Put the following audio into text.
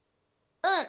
うん。